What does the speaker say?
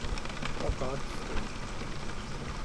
For God's sake.